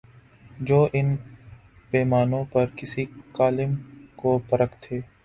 جو ان پیمانوں پر کسی کالم کو پرکھتے